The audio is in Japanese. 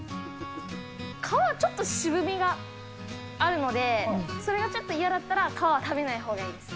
皮はちょっと渋みがあるので、それがちょっと嫌だったら、皮は食べないほうがいいです。